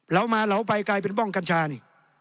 เรามาเหลาไปกลายเป็นบ้องกัญชานี่